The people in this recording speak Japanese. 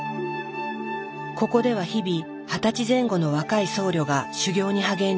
ここでは日々二十歳前後の若い僧侶が修行に励んでいる。